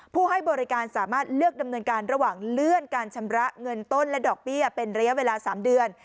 ให้บริการสามารถเลือกดำเนินการระหว่างเลื่อนการชำระเงินต้นและดอกเบี้ยเป็นระยะเวลา๓เดือน